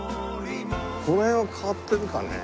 この辺は変わってるかね。